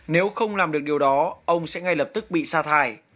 nếu không làm được điều đó ông sẽ ngay lập tức bị xa thải